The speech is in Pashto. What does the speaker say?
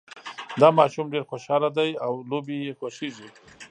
دا ماشوم ډېر خوشحاله ده او لوبې یې خوښیږي